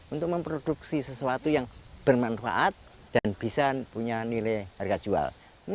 untuk memproduksi sesuatu yang bermanfaat dan bisa punya nilai harga jual